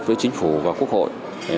với chính phủ và quốc hội